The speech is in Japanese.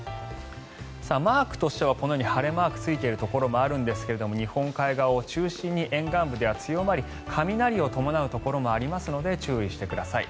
マークとしてはこのように晴れマークついているところもあるんですが日本海側を中心に沿岸部では強まり雷を伴うところもあるので注意してください。